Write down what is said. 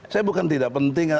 saya bukan tidak penting